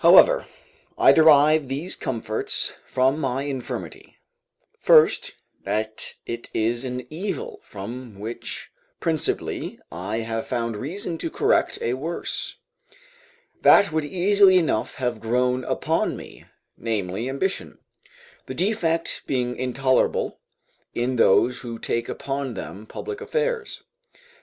However, I derive these comforts from my infirmity: first, that it is an evil from which principally I have found reason to correct a worse, that would easily enough have grown upon me, namely, ambition; the defect being intolerable in those who take upon them public affairs.